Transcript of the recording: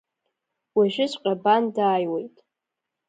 Уажәыҵәҟьа бан дааиуеит.